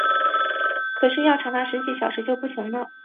可是要长达十小时就不行了